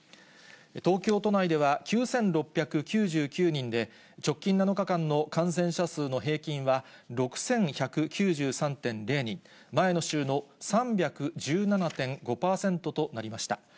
東京都内では、９６９９人で、直近７日間の感染者数の平均は６１９３．０人、前の週の３１７．５％となりました。